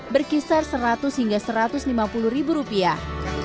berkisar seratus hingga satu ratus lima puluh ribu rupiah